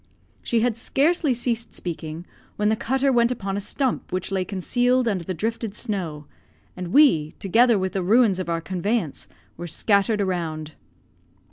She had scarcely ceased speaking, when the cutter went upon a stump which lay concealed under the drifted snow; and we, together with the ruins of our conveyance, were scattered around.